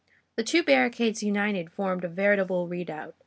The two barricades united formed a veritable redoubt.